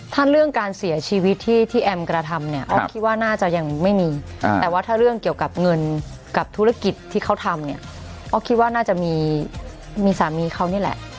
ถ้าเรื่องการเสียชีวิตที่แอมกระทำเนี่ยอ๊อฟคิดว่าน่าจะยังไม่มีแต่ว่าถ้าเรื่องเกี่ยวกับเงินกับธุรกิจที่เขาทำเนี่ยออฟคิดว่าน่าจะมีสามีเขานี่แหละ